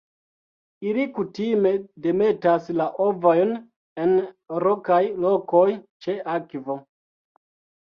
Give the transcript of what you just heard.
Ili kutime demetas la ovojn en rokaj lokoj ĉe akvo.